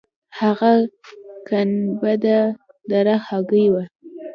هغه ګنبده د رخ هګۍ وه.